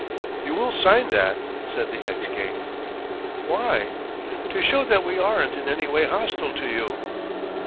'You will sign that,' said the ex king. 'Why?' 'To show that we aren't in any way hostile to you.